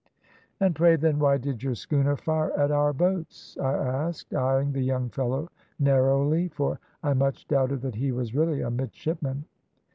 "`And pray, then, why did your schooner fire at our boats?' I asked, eyeing the young fellow narrowly, for I much doubted that he was really a midshipman.